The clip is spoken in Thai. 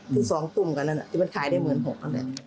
ถึงสองตุ้มกันนั้นที่มันขายได้หมื่นหกอันแหละ